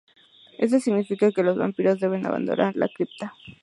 Eso significa que los vampiros deben abandonar la cripta.